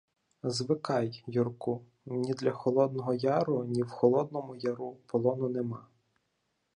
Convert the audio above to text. — Звикай, Юрку! Ні для Холодного Яру, ні в Холодному Яру полону нема.